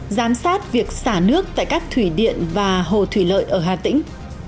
giám sát việc xả nước tại các thủy điện và hồ thủy lợi ở hà tĩnh